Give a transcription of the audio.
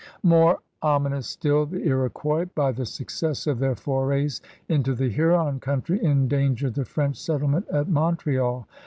More ominous still, the Iroquois by the success of their forays into the Huron country endangered the French settlement at Montreal.